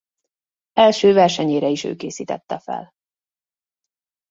Első versenyére is ő készítette fel.